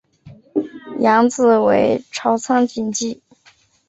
养子为朝仓景纪。